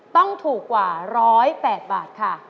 ต้องถูกกว่า๑๐๘บาทค่ะ